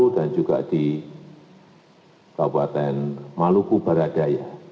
dan juga di kabupaten maluku baradaya